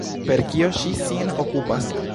Per kio ŝi sin okupas?